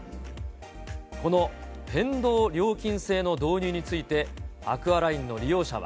この変動料金制の導入について、アクアラインの利用者は。